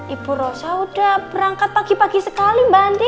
ibu rosa udah berangkat pagi pagi sekali mbak andi